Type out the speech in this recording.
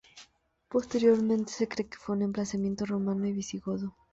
Posteriormente se cree que fue un emplazamiento romano y visigodo.